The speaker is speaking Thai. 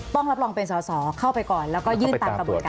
ต้องรับรองเป็นสอสอเข้าไปก่อนแล้วก็ยื่นตามกระบวนการ